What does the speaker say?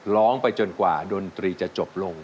ร้องไปจนกว่าดนตรีจะจบลง